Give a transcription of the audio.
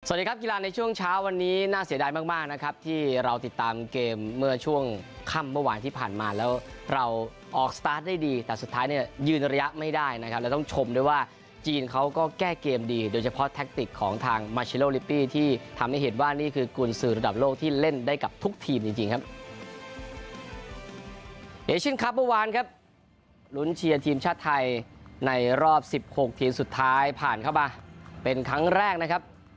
สวัสดีครับกีฬาในช่วงเช้าวันนี้น่าเสียดายมากมากนะครับที่เราติดตามเกมเมื่อช่วงค่ำเมื่อวานที่ผ่านมาแล้วเราออกสตาร์ทได้ดีแต่สุดท้ายเนี่ยยืนระยะไม่ได้นะครับแล้วต้องชมด้วยว่าจีนเขาก็แก้เกมดีโดยเฉพาะแทคติกของทางที่ทำให้เห็นว่านี่คือกูลสื่อระดับโลกที่เล่นได้กับทุกทีมจริงจริงครับ